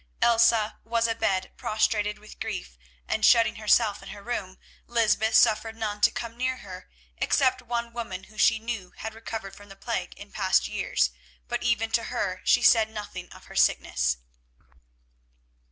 Elsa was abed prostrated with grief, and, shutting herself in her room, Lysbeth suffered none to come near her except one woman who she knew had recovered from the plague in past years, but even to her she said nothing of her sickness.